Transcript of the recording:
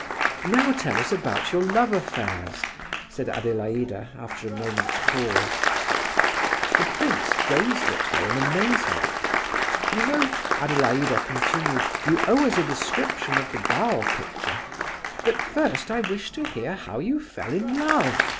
"Now tell us about your love affairs," said Adelaida, after a moment's pause. The prince gazed at her in amazement. "You know," Adelaida continued, "you owe us a description of the Basle picture; but first I wish to hear how you fell in love.